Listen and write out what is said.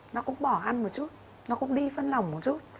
nó cũng bỏ ăn một chút nó cũng đi phân lòng một chút